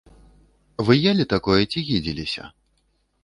Вы елі такое ці гідзіліся?